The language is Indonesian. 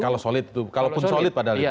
kalau solid itu kalaupun solid padahal itu